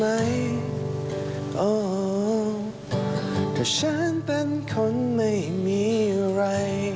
เพราะฉันเป็นคนไม่มีอะไร